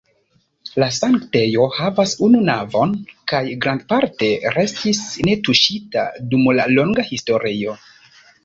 La sanktejo havas unu navon kaj grandparte restis netuŝita dum la longa historio.